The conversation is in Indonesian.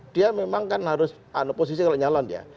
dia memang kan harus posisi kalau nyalon ya